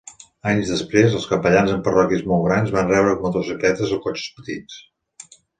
Anys després, els capellans amb parròquies molt grans van rebre motocicletes o cotxes petits.